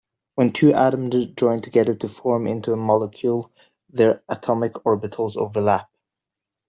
When two atoms join together to form into a molecule, their atomic orbitals overlap.